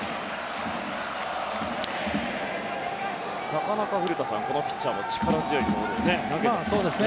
なかなかこのピッチャーも力強いボール投げますね。